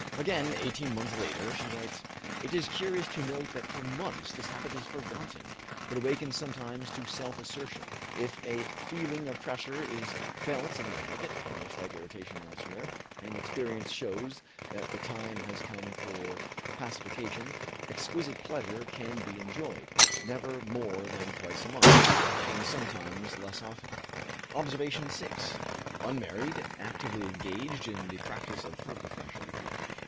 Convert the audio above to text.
Again, eighteen months later, she writes: "It is curious to note that for months this habit is forgotten, but awakens sometimes to self assertion. If a feeling of pressure is felt in the head, and a slight irritation elsewhere, and experience shows that the time has come for pacification, exquisite pleasure can be enjoyed, never more than twice a month, and sometimes less often." OBSERVATION VI. Unmarried, actively engaged in the practice of her profession.